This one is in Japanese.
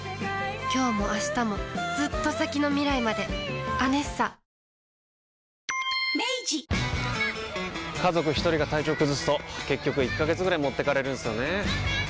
きょうもあしたもずっと先の未来まで「ＡＮＥＳＳＡ」家族一人が体調崩すと結局１ヶ月ぐらい持ってかれるんすよねー。